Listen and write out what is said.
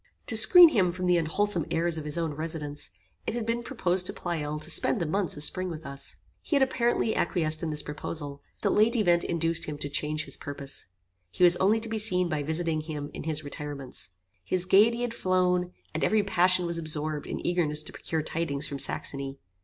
To screen him from the unwholesome airs of his own residence, it had been proposed to Pleyel to spend the months of spring with us. He had apparently acquiesced in this proposal; but the late event induced him to change his purpose. He was only to be seen by visiting him in his retirements. His gaiety had flown, and every passion was absorbed in eagerness to procure tidings from Saxony.